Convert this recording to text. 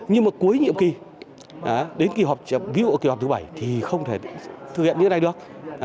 nhưng mà cuối nhiệm kỳ đến kỳ họp kỳ họp thứ bảy thì không thể thực hiện như thế này được